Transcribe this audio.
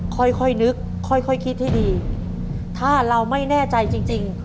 ค่อยค่อยนึกค่อยค่อยคิดให้ดีถ้าเราไม่แน่ใจจริงจริง